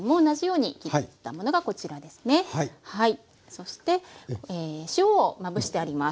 そして塩をまぶしてあります